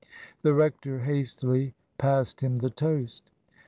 The rector hastily passed him the toast.